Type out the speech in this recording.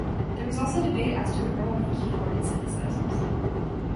There was also debate as to the role of the keyboard in synthesizers.